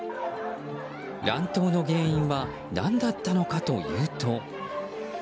乱闘の原因は何だったのかというと。